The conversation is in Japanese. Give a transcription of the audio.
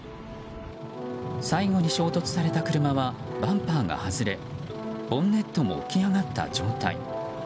最後に衝突された車はバンパーが外れボンネットも浮き上がった状態。